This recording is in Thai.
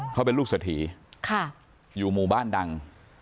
เขาเป็นลูกเศรษฐีอยู่หมู่บ้านดัง